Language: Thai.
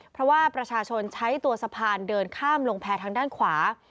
เพราะว่าประชาชนใช้ตัวสะพานเดินข้ามลงแพร่ทางด้านขวา